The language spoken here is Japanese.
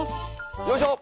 よいしょ！